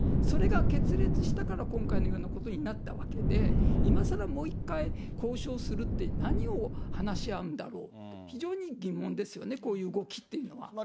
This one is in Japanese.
それが決裂したから、今回のようなことになったわけで、今さらもう一回交渉するって、何を話し合うんだろう、非常に疑問ですよね、こういう動きっていうのは。